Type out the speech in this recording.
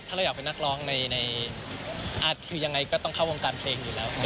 ถ้าเราอยากเป็นนักร้องในคือยังไงก็ต้องเข้าวงการเพลงอยู่แล้ว